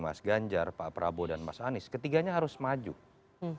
mas ganjar pak prabowo dan mas anies ketiganya harus maju yang ideal buat saya ketiga tiganya